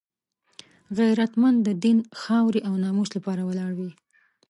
غیرتمند د دین، خاورې او ناموس لپاره ولاړ وي